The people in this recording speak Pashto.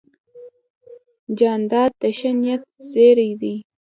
جانداد د ښه نیت زېرى دی.